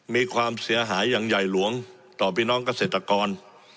มีความเสียหายอย่างใหญ่หลวงต่อพี่น้องเกษตรกร